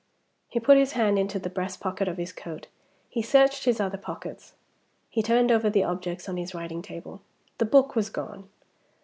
He put his hand into the breast pocket of his coat; he searched his other pockets; he turned over the objects on his writing table. The book was gone.